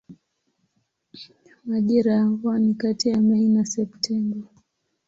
Majira ya mvua ni kati ya Mei na Septemba.